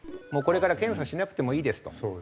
もうこれから検査しなくてもいいですと。